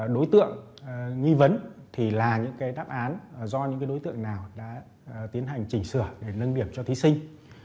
đối tượng nghi vấn thì là những đáp án do những đối tượng nào đã tiến hành chỉnh sửa để nâng điểm cho thí sinh